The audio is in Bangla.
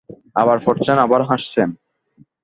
আবার পড়ছেন, আবার হাসছেন।